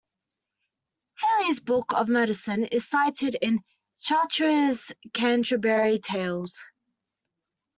Haly's book of medicine is cited in Chaucer's Canterbury Tales.